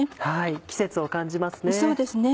季節を感じますね。